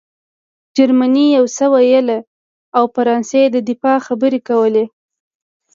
جرمني یو څه ویل او فرانسې د دفاع خبرې کولې